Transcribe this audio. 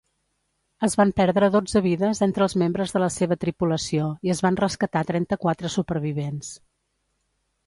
Es van perdre dotze vides entre els membres de la seva tripulació i es van rescatar trenta-quatre supervivents.